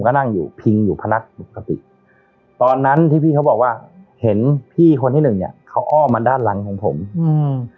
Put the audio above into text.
ก็นั่งอยู่พิงอยู่พนักปกติตอนนั้นที่พี่เขาบอกว่าเห็นพี่คนที่หนึ่งเนี้ยเขาอ้อมมาด้านหลังของผมอืม